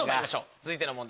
続いての問題